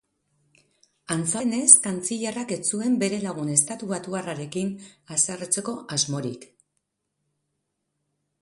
Antza denez, kantzillerrak ez zuen bere lagun estatubatuarrarekin haserretzeko asmorik.